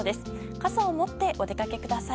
傘を持って、お出かけください。